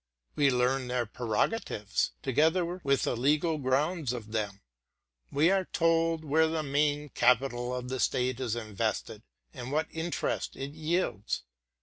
We learn their prerogatives, together with the legal grounds of them: we are told where the main capital RELATING TO MY LIFE. 175 of the state is invested, and what interest it yields.